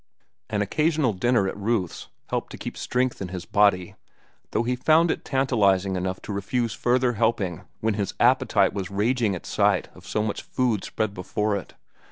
An occasional dinner at Ruth's helped to keep strength in his body, though he found it tantalizing enough to refuse further helping when his appetite was raging at sight of so much food spread before it.